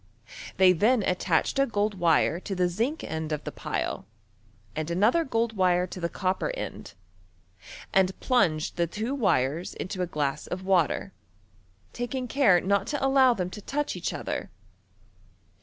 They thea attached a gold wire to the unc end of the pile, ajui another gold wire to the copper end, and plunged the two wires into a glass of water, taking care not to allow them to touch each other.